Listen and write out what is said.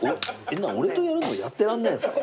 俺とやるのやってらんないんすか？